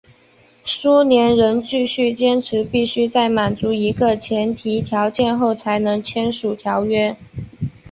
苏联人继续坚持必须在满足一个前提条件后才能签署条约。